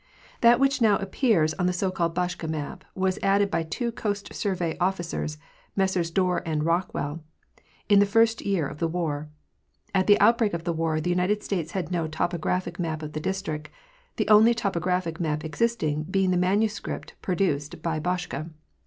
That which now appears on the so called Boschke map was added by two Coast Survey officers, Messrs Dorr and Rockwell, in the first year of the war. At ae outbreak of the war Ne United States had no topographic map of the District, the only topographic map existing being the manuscript produced by Boschke.